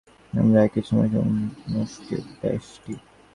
আমরা একই সময়ে সমষ্টি ও ব্যষ্টি।